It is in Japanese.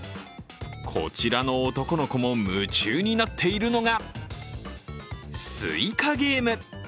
こちらの男の子も夢中になっているのが「スイカゲーム」。